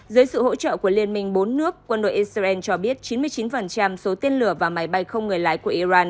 dưới sự hỗ trợ của liên minh bốn nước quân đội israel cho biết chín mươi chín số tên lửa và máy bay không người lái của iran